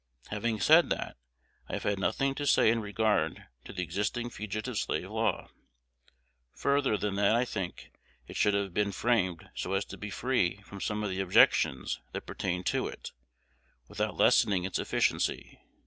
Having said that, I have had nothing to say in regard to the existing Fugitive Slave Law, further than that I think it should have been framed so as to be free from some of the objections that pertain to it, without lessening its efficiency.